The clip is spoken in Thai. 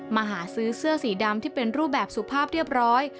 มาหาซื้อเสื้อสีดำที่เป็นรูปแบบสุภาพเรียบร้อย